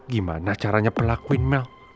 gimana caranya pelakuin mel